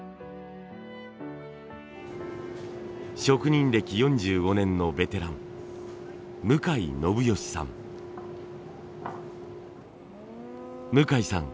職人歴４５年のベテラン向さん